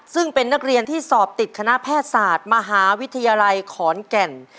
ซึ่งเป็นนักเรียนที่สอบติดคณะแพทย์ศาสตร์มหาวิทยาลัยขอนแก่น